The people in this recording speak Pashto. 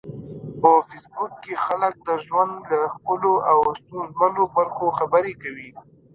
په فېسبوک کې خلک د ژوند له ښکلو او ستونزمنو برخو خبرې کوي